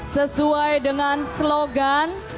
sesuai dengan slogan